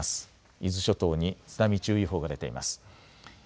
伊豆諸島に津波注意報が出ています。